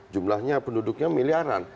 jumlahnya penduduknya miliaran